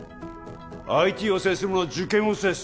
ＩＴを制する者は受験を制す！